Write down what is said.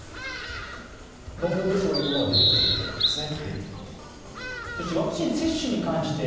論文でそういうものが出てきているということですね。